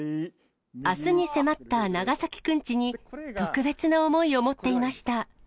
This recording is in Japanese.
あすに迫った長崎くんちに特別な思いを持っていました。